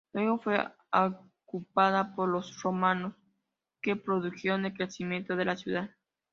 Luego fue ocupada por los romanos que produjeron el crecimiento de la ciudad.